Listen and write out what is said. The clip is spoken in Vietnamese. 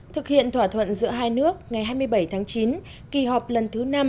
thực hiện thỏa thuận giữa hai nước ngày hai mươi bảy tháng chín kỳ họp lần thứ năm